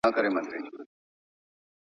سفیران چیرته د بشري حقونو راپورونه وړاندي کوي؟